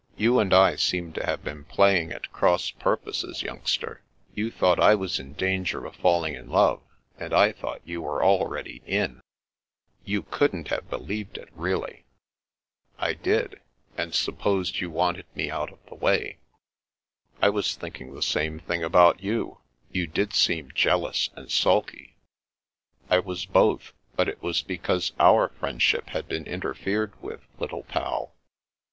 You and I seem to have been playing at cross purposes, youngster. You thought I was in danger of falling in love, and I thought you were already in." The Challenge 249 " You couldn't have believed it, really." " I did, and supposed you wanted me out of the way." " I was thinking the same thing about you. You did seem jealous and sulky." "I was both; but it was because our friendship had been interfered with, Little Pal."